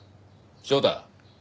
翔太。